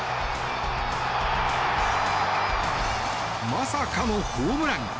まさかのホームラン。